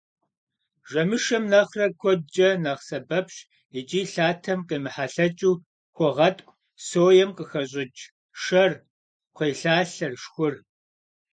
Жэмышэм нэхърэ куэдкӀэ нэхъ сэбэпщ икӀи лъатэм къемыхьэлъэкӀыу хуогъэткӀу соем къыхащӀыкӀ шэр, кхъуейлъалъэр, шхур.